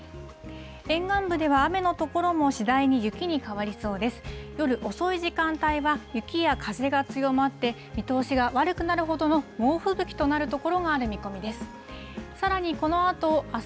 沿岸部では雨の所も次第に雪に変わりそうです。